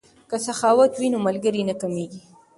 که سخاوت وي نو ملګری نه کمیږي.